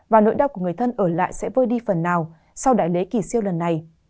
và nỗi đau của người thân ở lại sẽ vơi đi phần nào sau đại lễ kỳ siêu lần này